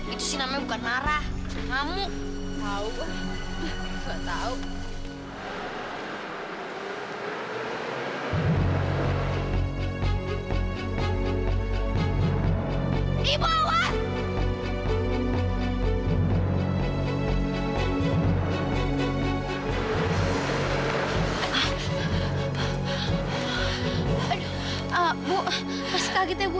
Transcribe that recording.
itu siapa sih itu